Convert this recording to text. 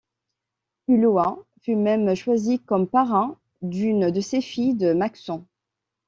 Ulloa fut même choisi comme parrain d'une de ses filles de Maxent.